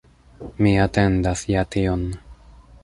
Mi atendas ja tion.